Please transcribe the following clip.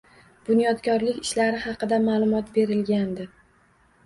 Bunyodkorlik ishlari haqida ma’lumot berilgandi.